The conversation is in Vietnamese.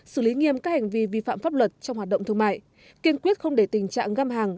xử lý nghiêm các hành vi vi phạm pháp luật trong hoạt động thương mại kiên quyết không để tình trạng găm hàng